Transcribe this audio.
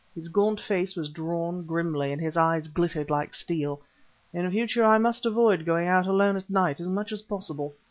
His gaunt face was drawn grimly, and his eyes glittered like steel. "In future I must avoid going out alone at night as much as possible."